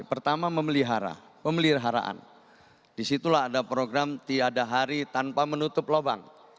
pertama memelihara memeliharaan disitulah ada program tiada hari tanpa menutup lubang